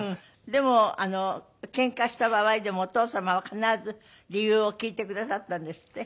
でもケンカした場合でもお父様は必ず理由を聞いてくださったんですって？